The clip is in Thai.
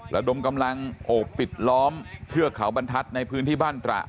ระดมกำลังโอบปิดล้อมเทือกเขาบรรทัศน์ในพื้นที่บ้านตระ